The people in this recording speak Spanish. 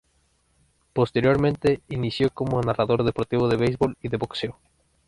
Posteriormente inició como narrador deportivo de beisbol y de boxeo.